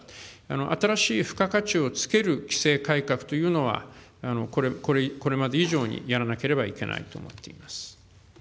新しい付加価値を付ける規制改革というのは、これまで以上にやらなければいけないと思っています。